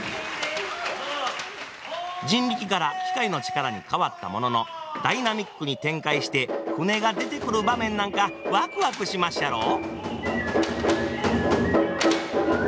人力から機械の力に変わったもののダイナミックに展開して舟が出てくる場面なんかワクワクしまっしゃろ！